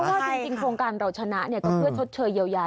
เพราะว่าจริงโครงการราวชนะก็เพื่อทดเชยเยียวยา